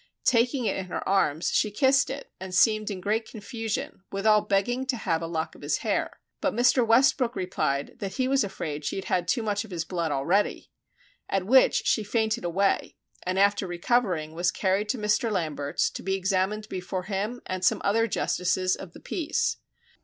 Taking it in her arms, she kissed it, and seemed in great confusion, withal begging to have a lock of his hair; but Mr. Westbrook replied that he was afraid she had had too much of his blood already. At which she fainted away, and after recovering, was carried to Mr. Lambert's, to be examined before him and some other Justices of the Peace.